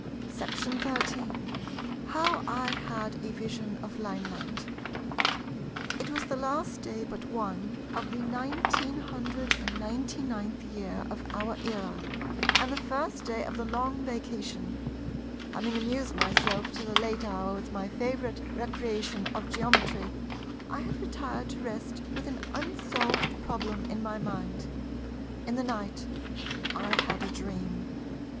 § 13 How I had a Vision of Lineland It was the last day but one of the 1999th year of our era, and the first day of the Long Vacation. Having amused myself till a late hour with my favourite recreation of Geometry, I had retired to rest with an unsolved problem in my mind. In the night I had a dream.